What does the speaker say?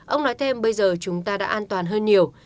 ông nói thêm bây giờ chúng ta đã an toàn hơn nhiều